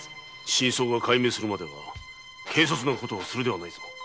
真相が解明するまでは軽率なことをするではないぞ。